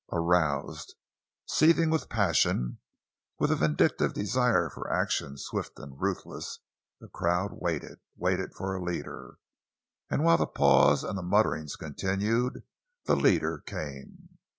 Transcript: Aroused, seething with passion, with a vindictive desire for action, swift and ruthless, the crowd waited—waited for a leader. And while the pause and the mutterings continued, the leader came.